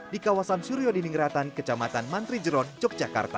di kawasan suryo dinding ratan kecamatan mantri jeron yogyakarta